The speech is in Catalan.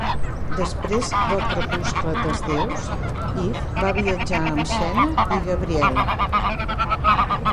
Després del Crepuscle dels Déus, Eve va viatjar amb Xena i Gabrielle.